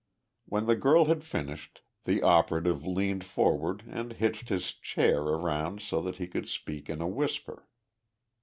When the girl had finished, the operative leaned forward and hitched his chair around so that he could speak in a whisper.